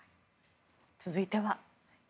続いては。